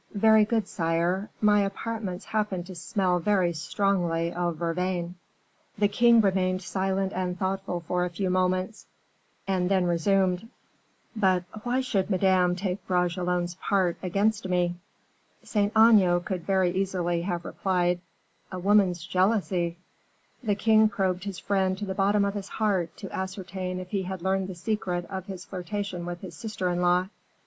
"Very good, sire! my apartments happen to smell very strongly of vervain." The king remained silent and thoughtful for a few moments, and then resumed: "But why should Madame take Bragelonne's part against me?" Saint Aignan could very easily have replied: "A woman's jealousy!" The king probed his friend to the bottom of his heart to ascertain if he had learned the secret of his flirtation with his sister in law.